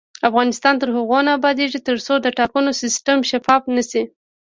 افغانستان تر هغو نه ابادیږي، ترڅو د ټاکنو سیستم شفاف نشي.